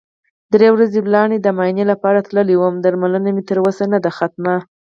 درې ورځې وړاندې د معاینې لپاره تللی وم، درملنه مې تر اوسه نده ختمه.